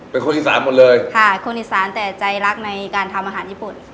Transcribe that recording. เป็นคนอีสานหมดเลยค่ะคนอีสานแต่ใจรักในการทำอาหารญี่ปุ่น